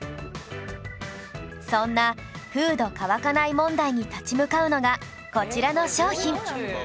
そんなフード乾かない問題に立ち向かうのがこちらの商品